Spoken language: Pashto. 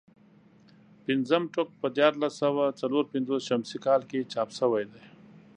پنځم ټوک په دیارلس سوه څلور پنځوس شمسي کال کې چاپ شوی دی.